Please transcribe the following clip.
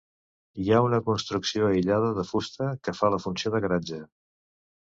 Hi ha una construcció aïllada de fusta que fa la funció de garatge.